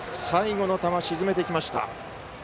最後の球、沈めてきました。